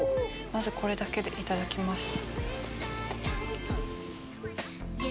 まずこれだけでいただきます。